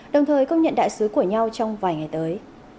đồng thời công nhận đại sứ của nhau trong vài ngày tới